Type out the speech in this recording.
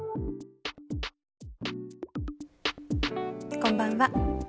こんばんは。